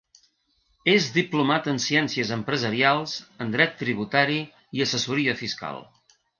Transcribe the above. És diplomat en Ciències Empresarials, en dret tributari i assessoria fiscal.